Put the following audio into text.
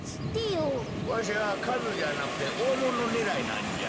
わしはかずじゃなくておおものねらいなんじゃ。